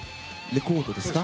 レコードですか？